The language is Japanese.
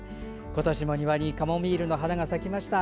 今年も庭にカモミールの花が咲きました。